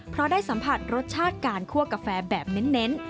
เพราะได้สัมผัสรสชาติการคั่วกาแฟแบบเน้น